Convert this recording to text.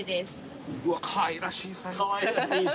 うわかわいらしいサイズ。